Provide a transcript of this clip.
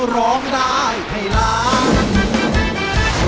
ร้องได้ให้ล้าน